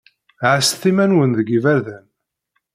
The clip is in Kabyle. Ɛasset iman-nwen deg iberdan!